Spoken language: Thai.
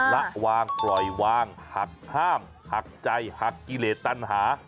ละวางปล่อยวางหักห้ามหักใจหักกิเลสตันหา